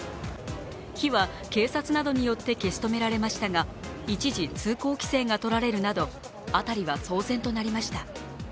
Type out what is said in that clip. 火は警察などによって消し止められましたが一時、通行規制がとられるなど辺りは騒然となりました。